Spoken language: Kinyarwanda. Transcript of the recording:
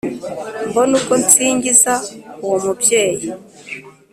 mbone uko nsingiza uwo mubyeyi